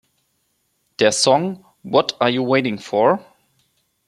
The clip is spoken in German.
Der Song "What Are You Waiting For?